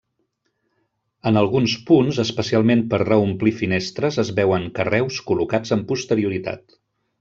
En alguns punts, especialment per reomplir finestres, es veuen carreus col·locats amb posterioritat.